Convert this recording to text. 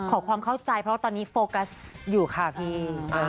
ขอความเข้าใจเพราะว่าตอนนี้โฟกัสอยู่ค่ะพี่